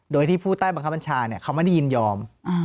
โดยที่ผู้ใต้บังคับบัญชาเขาไม่ได้ยินยอม